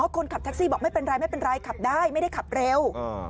คนขับแท็กซี่บอกไม่เป็นไรไม่เป็นไรขับได้ไม่ได้ขับเร็ว